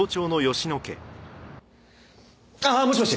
ああもしもし